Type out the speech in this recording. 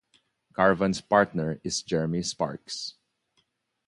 Karvan's partner is Jeremy Sparks.